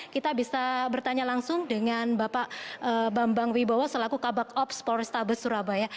kita bisa bertanya langsung dengan bapak bambang wibowo selaku kabak ops polrestabes surabaya